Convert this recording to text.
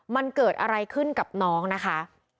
มันเกิดอะไรขึ้นกับน้องนะคะ